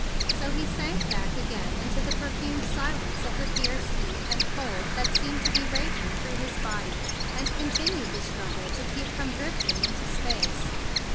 So he sank back again into the perfumed silence of the fierce heat and cold that seemed to be raging through his body, and continued the struggle to keep from drifting into space.